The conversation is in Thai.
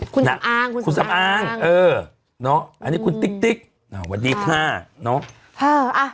คุณแซมอ้างอันนี้คุณติ๊กสวัสดีค่ะ